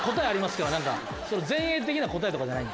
前衛的な答えとかじゃない。